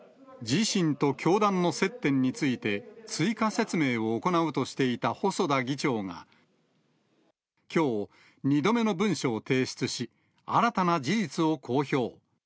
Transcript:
自身と教団の接点について、追加説明を行うとしていた細田議長が、きょう、２度目の文書を提出し、新たな事実を公表。